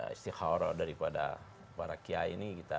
istiqawar daripada para kia ini